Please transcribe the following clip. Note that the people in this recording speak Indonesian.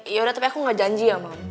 yaudah tapi aku gak janji ya mam